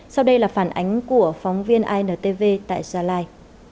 sau đây là phản ánh của phóng viên intv tại gia lai